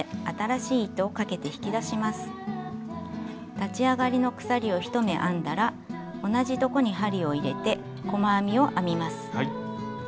立ち上がりの鎖を１目編んだら同じところに針を入れて細編みを編みます。